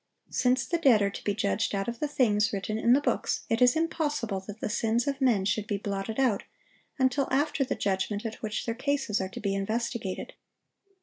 Since the dead are to be judged out of the things written in the books, it is impossible that the sins of men should be blotted out until after the judgment at which their cases are to be investigated.